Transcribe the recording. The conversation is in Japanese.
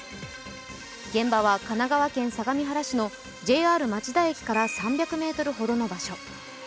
現場は神奈川県相模原市のＪＲ町田駅から３００ｍほどの場所。